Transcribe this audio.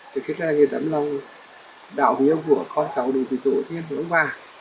thực hiện ra nghiệp tấm lòng đạo nghiệp của con cháu để tùy tụ thiên hướng qua